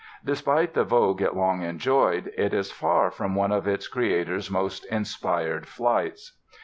Despite the vogue it long enjoyed, it is far from one of its creator's most inspired flights.